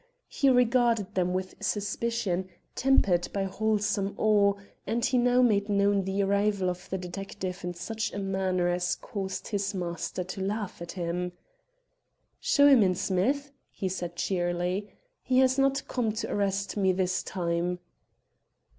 He regarded them with suspicion, tempered by wholesome awe, and he now made known the arrival of the detective in such a manner as caused his master to laugh at him. "Show him in, Smith," he said cheerily; "he has not come to arrest me this time."